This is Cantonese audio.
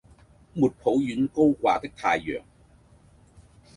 沒抱怨高掛的太陽